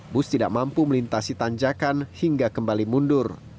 bus tidak mampu melintasi tanjakan hingga kembali mundur